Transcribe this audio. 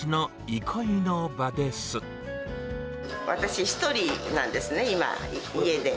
私、１人なんですね、今、家で。